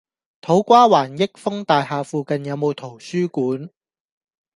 土瓜灣益豐大廈附近有無圖書館？